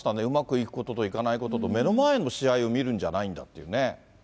うまくいくことといかないことと、目の前の試合を見るんじゃないんだっていうね。